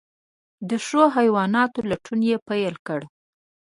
د ښو حیواناتو لټون یې پیل کړ.